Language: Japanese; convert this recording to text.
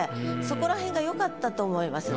そこらへんがよかったと思います。